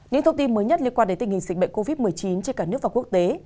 những thông tin mới nhất liên quan đến tình hình dịch bệnh covid một mươi chín trên cả nước và quốc tế